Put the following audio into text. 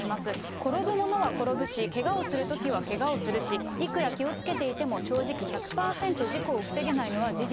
転ぶものは転ぶしけがをするときはけがをするし、いくら気をつけていても正直１００％事故を防げないのは事実。